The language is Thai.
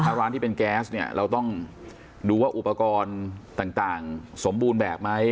ถ้าร้านที่เป็นแก๊สเนี่ยเราต้องดูว่าอุปกรณ์ต่างสมบูรณ์แบบไหม